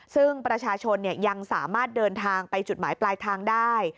ซึ่งประชาชนยังสามารถเดินทางไปจุดหมายปลายทางได้